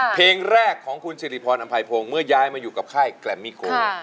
เพลงแรกของคุณสิริพรอำไพพงศ์เมื่อย้ายมาอยู่กับค่ายแกรมมี่โก